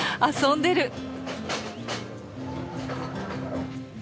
遊んでる！